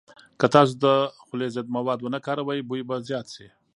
که تاسو د خولې ضد مواد ونه کاروئ، بوی به زیات شي.